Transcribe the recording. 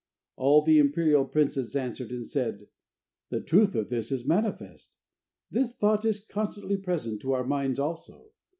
All the imperial princes answered, and said: "The truth of this is manifest. This thought is constantly present to our minds also.